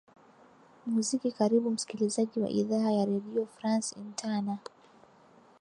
muziki karibu msikilizaji wa idhaa ya redio france interna